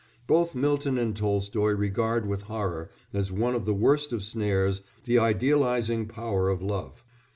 Both Milton and Tolstoy regard with horror, as one of the worst of snares, the idealising power of love.